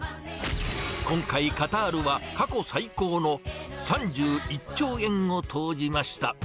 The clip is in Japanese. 今回、カタールは過去最高の３１兆円を投じました。